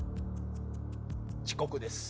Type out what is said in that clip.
「遅刻」です。